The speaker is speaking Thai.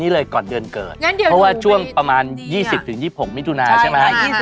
นี่เลยก่อนเดือนเกิดเพราะว่าช่วงประมาณ๒๐๒๖มิถุนาใช่ไหม